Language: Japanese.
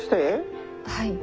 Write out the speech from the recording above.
はい。